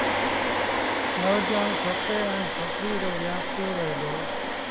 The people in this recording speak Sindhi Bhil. نوجوآڻ ڇوڪري ائيٚݩ ڇوڪريٚ رو ويهآݩ ڪيو وهي دو۔